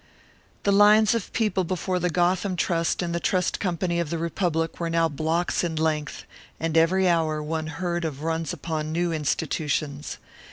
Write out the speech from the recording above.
The lines of people before the Gotham Trust and the Trust Company of the Republic were now blocks in length; and every hour one heard of runs upon new institutions.